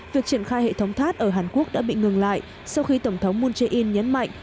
việc triển khai hệ thống tháp ở hàn quốc đã bị ngừng lại sau khi tổng thống moon jae in nhấn mạnh